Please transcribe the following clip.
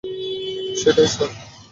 সেটাই, স্যার।